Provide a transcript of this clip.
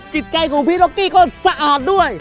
จิตใจของพี่ต๊อกกี้ก็สะอาดด้วย